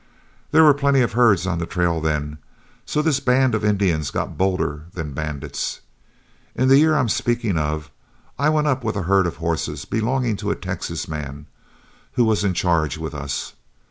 There was plenty of herds on the trail then, so this band of Indians got bolder than bandits. In the year I'm speaking of, I went up with a herd of horses belonging to a Texas man, who was in charge with us.